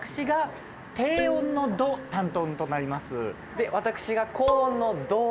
で私が。